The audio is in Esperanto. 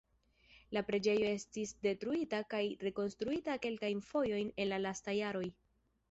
La preĝejo estis detruita kaj rekonstruita kelkajn fojojn en la lastaj jaroj.